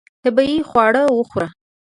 طبیعي خواړه وخوره.